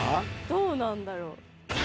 どうなんだろう？